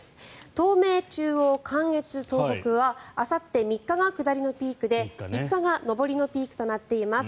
東名、中央、関越、東北はあさって、３日が下りのピークで５日が上りのピークとなっています。